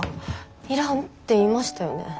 要らんって言いましたよね。